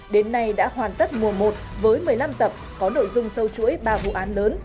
đến nay đã hoàn tất mùa một với một mươi năm tập có nội dung sâu chuỗi ba vụ án lớn